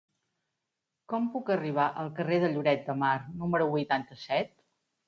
Com puc arribar al carrer de Lloret de Mar número vuitanta-set?